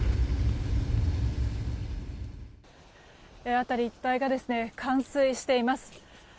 辺り一帯が冠水しています。